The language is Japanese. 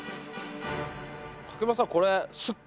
柿山さん